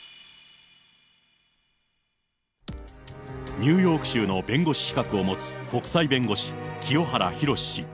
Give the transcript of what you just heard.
ニューヨーク州の弁護士資格を持つ国際弁護士、清原博氏。